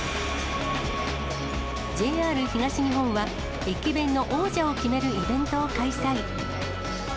ＪＲ東日本は、駅弁の王者を決めるイベントを開催。